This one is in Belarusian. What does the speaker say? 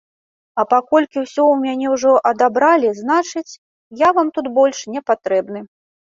А паколькі ўсё ў мяне ўжо адабралі, значыць, я вам тут больш не патрэбны.